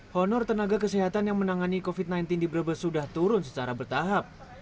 honor tenaga kesehatan yang menangani covid sembilan belas di brebes sudah turun secara bertahap